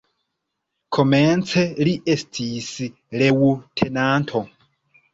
Komence li estis leŭtenanto.